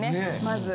まず。